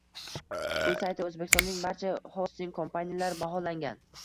Bu saytda o’zbekistonning barcha hosting kompaniyalari baholangan